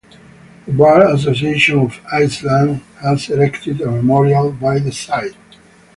The bar association of Iceland has erected a memorial by the site.